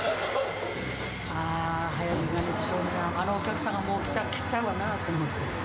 ああ、早く行かないと、あのお客さんがもう来ちゃうわなと思って。